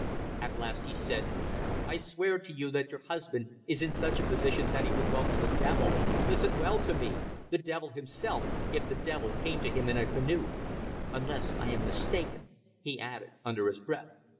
At last he said: "I swear to you that your husband is in such a position that he would welcome the devil ... listen well to me ... the devil himself if the devil came to him in a canoe. Unless I am much mistaken," he added, under his breath.